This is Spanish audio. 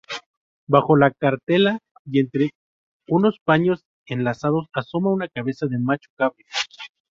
Bajo la cartela y entre unos paños enlazados asoma una cabeza de macho cabrío.